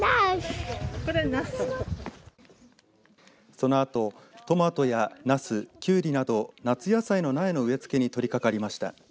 そのあとトマトやなす、きゅうりなど夏野菜の苗の植え付けに取り掛かりました。